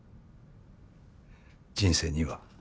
人生には。